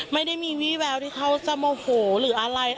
ไม่ได้มีวี่แววที่เขาจะโมโหหรืออะไร